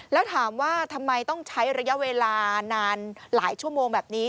แล้วถามว่าทำไมต้องใช้ระยะเวลานานหลายชั่วโมงแบบนี้